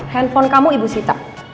handphone kamu ibu sita